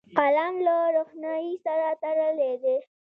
قلم له روښنايي سره تړلی دی